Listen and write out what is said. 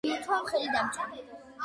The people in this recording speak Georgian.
იუთომ ხელი დამწვა